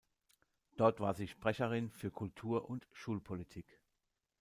Dort war sie Sprecherin für Kultur- und Schulpolitik.